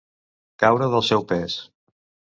Caure del seu pes.